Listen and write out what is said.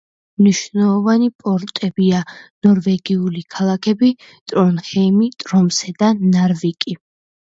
მნიშვნელოვანი პორტებია ნორვეგიული ქალაქები: ტრონჰეიმი, ტრომსე და ნარვიკი.